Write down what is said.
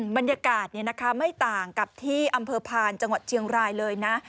บรรยากาศไม่ต่างกับที่อำเภอพานจังหวัดเชียงรายเลยนะ